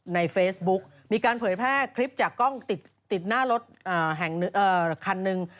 ในเฟซบุ๊กมีการเผยแพร่คลิปจากกล้องติดหน้ารถแห่งคันหนึ่ง